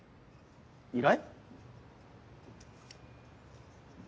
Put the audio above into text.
依頼？